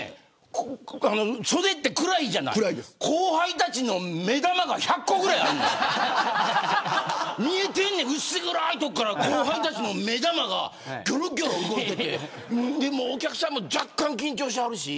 そでって暗いじゃない後輩たちの目玉が１００個ぐらい見えてんねん、薄暗い所から後輩たちの目玉がぎょろぎょろ動いててお客さんも若干緊張してはるし。